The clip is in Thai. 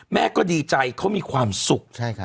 แม่ก็ดีใจเขามีความสุข